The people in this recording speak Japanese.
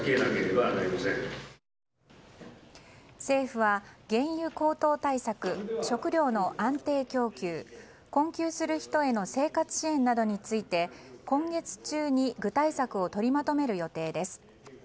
政府は原油高騰対策、食料の安定供給困窮する人への生活支援などについて今月中に具体策を取りまとめる予定です。